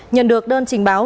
nhận được đơn trình báo